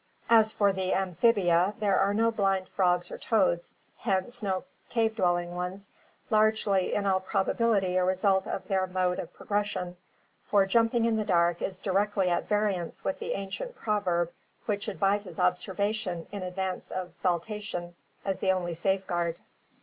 As for the Amphibia, there are no blind frogs or toads, hence no cave dwelling ones, largely in all probability a result of their mode of progression, for jumping in the dark is directly at variance with the ancient proverb which advises observation in advance of saltation as the only safeguard.